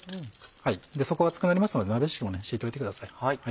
底は熱くなりますので鍋敷きも敷いといてください。